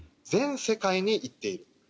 全世界に行っている。